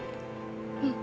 うん。